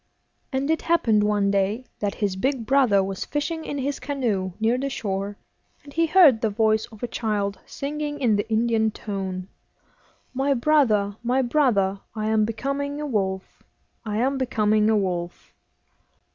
And it happened one day that his big brother was fishing in his canoe near the shore, and he heard the voice of a child singing in the Indian tone 'My brother, my brother! I am becoming a wolf, I am becoming a wolf!